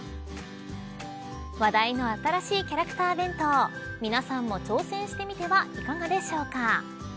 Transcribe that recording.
話題の新しいキャラクター弁当皆さんも挑戦してみてはいかがでしょうか。